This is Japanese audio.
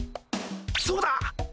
そうだ！